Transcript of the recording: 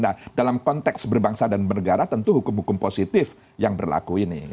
nah dalam konteks berbangsa dan bernegara tentu hukum hukum positif yang berlaku ini